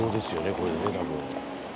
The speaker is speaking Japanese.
これね多分。